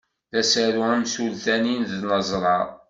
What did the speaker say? D asaru amsultan i d-neẓra.